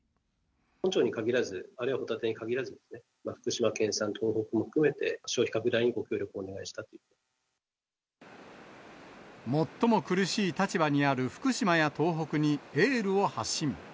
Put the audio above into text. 本町に限らず、あるいはホタテに限らず、福島県産、東北含めて、最も苦しい立場にある福島や東北にエールを発信。